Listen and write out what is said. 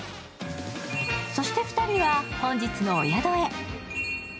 そして、２人は本日のお宿へ。